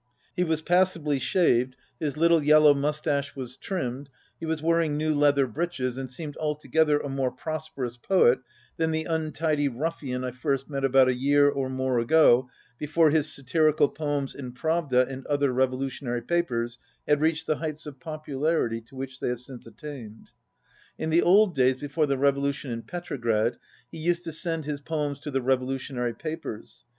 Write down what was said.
He was passably shaved, his little yellow moustache was trimmed, he was wear ing new leather breeches, and seemed altogether a more prosperous poet than the untidy ruffian I first met about a year or more ago before his satirical poems in Pravda and other revolution ary papers had reached the heights of popularity to which they have since attained. In the old days before the revolution in Petrograd he used to send his poems to the revolutionary papers.